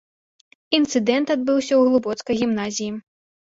Інцыдэнт адбыўся ў глыбоцкай гімназіі.